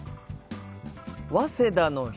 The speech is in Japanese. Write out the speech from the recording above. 早稲田の人。